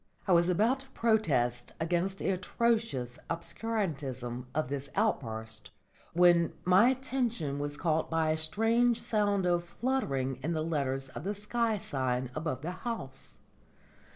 I was about to protest against the atrocious obscurantism of this outburst, when my attention was caught by a strange sound of fluttering in the letters of the sky sign above the house.